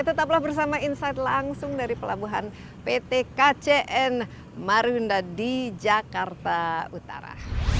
tetaplah bersama insight langsung dari pelabuhan pt kcn marunda di jakarta utara